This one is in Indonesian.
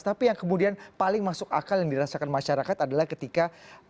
tapi yang kemudian paling masuk akal yang dirasakan masyarakat adalah ketika